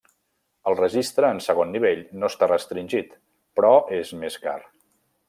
El registre en segon nivell no està restringit, però és més car.